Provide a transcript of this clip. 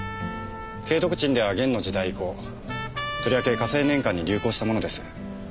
景徳鎮では元の時代以降とりわけ嘉靖年間に流行したものです。